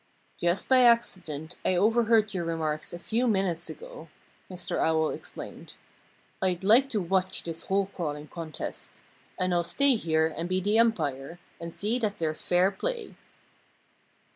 "Just by accident I overheard your remarks a few minutes ago," Mr. Owl explained. "I'd like to watch this hole crawling contest. And I'll stay here and be the umpire and see that there's fair play."